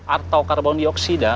atau karbon dioksida